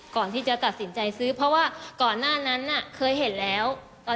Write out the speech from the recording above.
ก่อนที่จะตัดสินใจซื้อเพราะว่าก่อนหน้านั้นน่ะเคยเห็นแล้ว